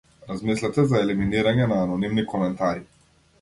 Размислете за елиминирање на анонимни коментари.